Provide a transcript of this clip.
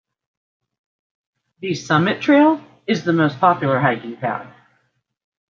The Summit Trail is the most popular hiking path.